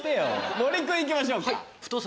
森君行きましょうか。